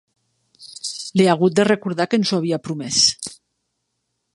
Li he hagut de recordar que ens ho havia promès.